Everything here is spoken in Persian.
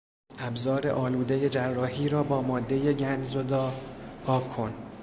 ابزار آلودهی جراحی را با مادهی گندزدا پاک کن.